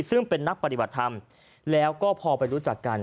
ซึ่งเป็นนักปฏิบัติธรรมแล้วก็พอไปรู้จักกัน